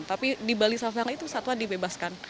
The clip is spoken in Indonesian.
tapi di bali satwa itu satwa dibebaskan